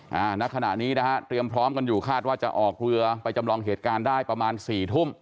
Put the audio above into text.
ณขณะนี้นะฮะเตรียมพร้อมกันอยู่คาดว่าจะออกเรือไปจำลองเหตุการณ์ได้ประมาณสี่ทุ่ม